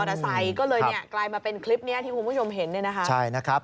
เรามาเป็นคลิปนี้ที่คุณผู้ชมเห็น